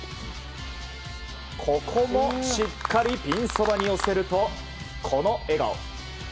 ここもしっかりピンそばに寄せるとこの笑顔。